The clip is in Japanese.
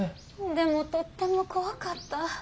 でもとっても怖かった。